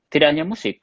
tidak hanya musik